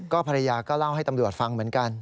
ภรรยาก็เล่าให้ตำรวจฟังเหมือนกัน